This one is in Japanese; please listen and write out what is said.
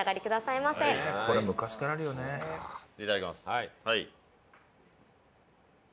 はい。